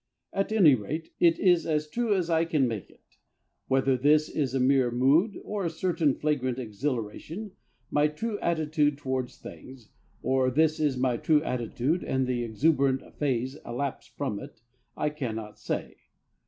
At anyrate, it is as true as I can make it. Whether this is a mere mood, and a certain flagrant exhilaration my true attitude towards things, or this is my true attitude and the exuberant phase a lapse from it, I cannot say.